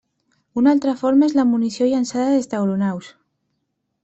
Una altra forma és la munició llançada des d'aeronaus.